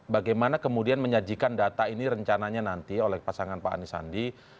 bagaimana kemudian menyajikan data ini rencananya nanti oleh pasangan pak anies sandi